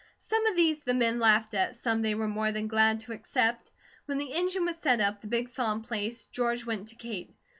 Some of these the men laughed at, some they were more than glad to accept. When the engine was set up, the big saw in place, George went to Kate.